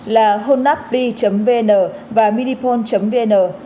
là honapv vn và minipon vn